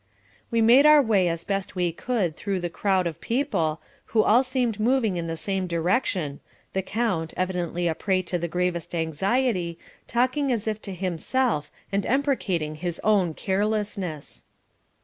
We made our way as best we could through the crowd of people, who all seemed moving in the same direction, the count, evidently a prey to the gravest anxiety, talking as if to himself and imprecating his own carelessness.